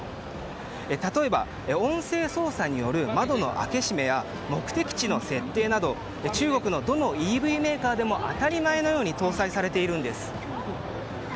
例えば、音声操作による窓の開け閉めや目的地の設定など中国のどのＥＶメーカーでも当たり前のように搭載されているんです。